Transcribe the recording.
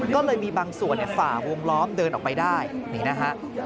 ก็เลยมีบางส่วนฝ่าวงล้อมเดินออกไปได้นี่นะฮะ